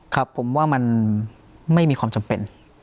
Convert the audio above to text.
ครับผมว่ามันไม่มีความจำเป็น